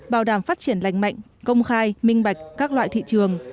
bảo đảm phát triển lành mạnh công khai minh bạch các loại thị trường